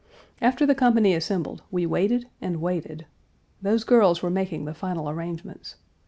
After the company assembled we waited and waited. Those girls were making the final arrangements.